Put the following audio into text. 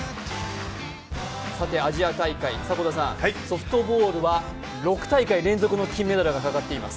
アジア大会、ソフトボールは６大会連続の金メダルがかかっています。